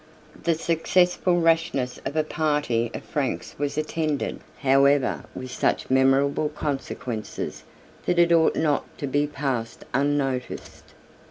The successful rashness of a party of Franks was attended, however, with such memorable consequences, that it ought not to be passed unnoticed.